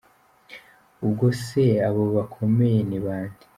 Ubwo se abo bakomeye ni bande?